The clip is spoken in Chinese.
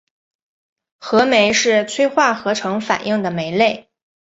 合酶是催化合成反应的酶类。